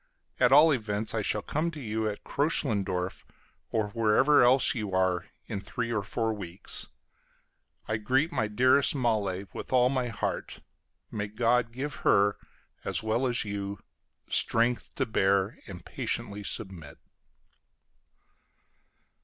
At all events I shall come to you at Kröchlendorf, or wherever else you are, in three or four weeks. I greet my dearest Malle with all my heart. May God give her, as well as you, strength to bear and patiently submit.